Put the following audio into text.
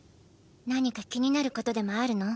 何か気になることでもあるの？